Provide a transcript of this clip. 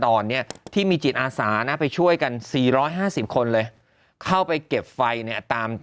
ตอนนี้ที่มีจิตอาสานะไปช่วยกัน๔๕๐คนเลยเข้าไปเก็บไฟเนี่ยตาม